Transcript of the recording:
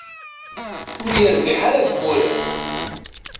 Ur yerbiḥ ara deg wurar.